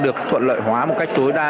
được thuận lợi hóa một cách tối đa